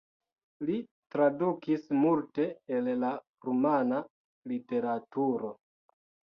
Li tradukis multe el la rumana literaturo.